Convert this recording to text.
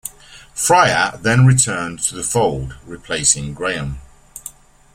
Fryer then returned to the fold, replacing Graham.